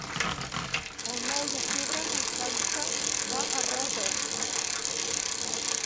El nou d'octubre na Sança va a Roses.